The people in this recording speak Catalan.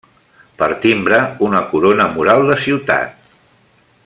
Per timbre, una corona mural de ciutat.